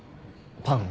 パン？